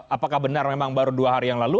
apakah benar memang baru dua hari yang lalu